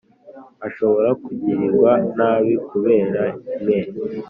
ashobora kugirirwa nabi kubera mwe